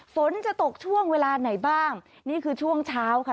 ฝนจะตกช่วงเวลาไหนบ้างนี่คือช่วงเช้าค่ะ